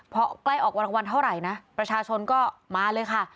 พอใกล้ออกวันรางวัลเท่าไหร่นะประชาชนก็มาเลยค่ะ